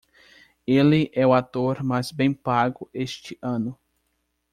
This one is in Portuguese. Ele é o ator mais bem pago este ano.